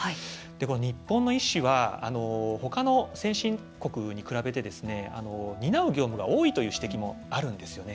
日本の医師は他の先進国に比べて担う業務が多いという指摘もあるんですね。